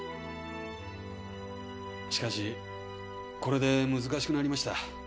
しかしこれで難しくなりました。